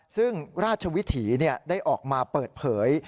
ซึ่งราชวิถีได้ออกมาเปิดเผย